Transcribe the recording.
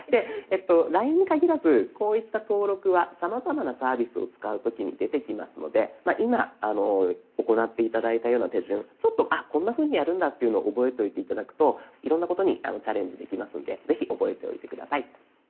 「ＬＩＮＥ」に限らずこういった登録はさまざまなサービスを使う時に出てきますので今行って頂いたような手順ちょっと「あっこんなふうにやるんだ」っていうのを覚えておいて頂くといろんなことにチャレンジできますのでぜひ覚えておいて下さい。